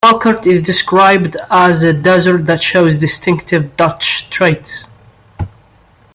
Melktert is described as a dessert that shows distinctive Dutch traits.